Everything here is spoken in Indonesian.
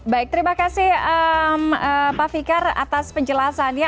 baik terima kasih pak fikar atas penjelasannya